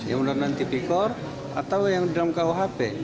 yang undang undang tipikor atau yang di dalam rkuhp